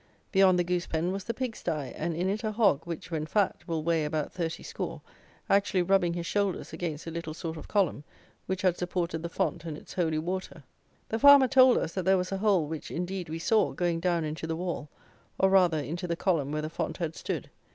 Beyond the goose pen was the pig stye, and in it a hog, which, when fat, will weigh about 30 score, actually rubbing his shoulders against a little sort of column which had supported the font and its holy water. The farmer told us that there was a hole, which, indeed, we saw, going down into the wall, or rather, into the column where the font had stood.